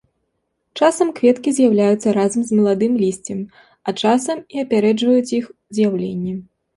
Часам кветкі з'яўляюцца разам з маладымі лісцем, а часам і апярэджваюць іх з'яўленне.